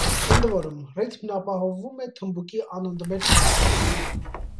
Ընդ որում, ռիթմն ապահովվում է թմբուկի անընդմեջ զարկերով։